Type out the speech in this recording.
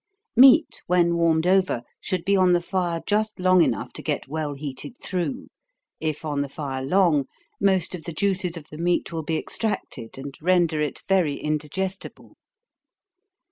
Meat, when warmed over, should be on the fire just long enough to get well heated through if on the fire long, most of the juices of the meat will be extracted, and render it very indigestible.